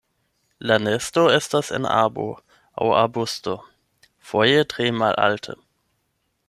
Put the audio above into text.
La nesto estas en arbo aŭ arbusto, foje tre malalte.